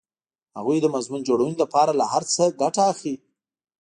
هغوی د مضمون جوړونې لپاره له هر څه ګټه اخلي